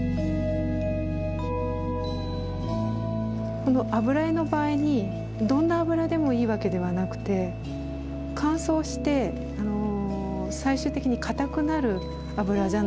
この油絵の場合にどんな油でもいいわけではなくて乾燥して最終的に硬くなる油じゃないと油絵にはならないです。